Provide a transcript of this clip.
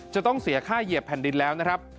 จะต้องเสียค่าเหยียบแผ่นดินแล้วนะครับ